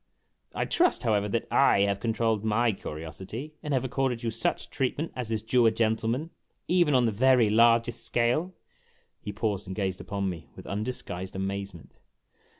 I trust, however, that / have controlled my curiosity, and have accorded you such treatment as is due a gentleman even on the very largest scale !" He paused and gazed upon me with undisguised amazement.